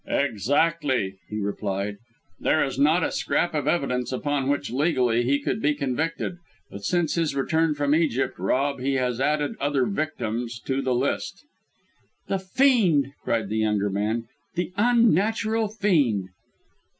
"Exactly," he replied. "There is not a scrap of evidence upon which, legally, he could be convicted; but since his return from Egypt, Rob, he has added other victims to the list!" "The fiend!" cried the younger man, "the unnatural fiend!"